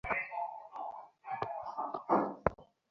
Draft দেখে দুটা বানান ঠিক করলেন।